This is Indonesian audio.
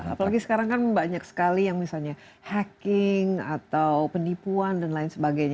apalagi sekarang kan banyak sekali yang misalnya hacking atau penipuan dan lain sebagainya